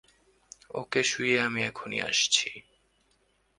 ওকে শুইয়ে আমি এখনই আসছি।